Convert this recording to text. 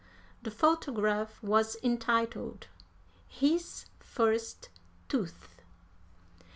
The photograph was entitled, "His First Tooth."